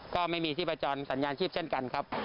ก็ไม่มีที่ประจรสัญญาณชีพเช่นกันครับ